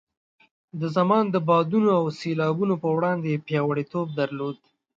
د زمان د بادونو او سیلاوونو په وړاندې یې پیاوړتوب درلود.